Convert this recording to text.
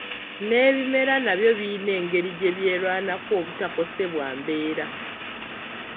N'ebimera nabyo biyina engeri gye byerwanako obutakosebwa mbeera.